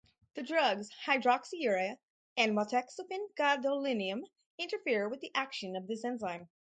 The drugs hydroxyurea and Motexafin gadolinium interfere with the action of this enzyme.